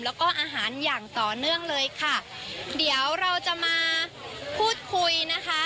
แล้วก็อาหารอย่างต่อเนื่องเลยค่ะเดี๋ยวเราจะมาพูดคุยนะคะ